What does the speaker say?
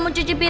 ya bagus bapak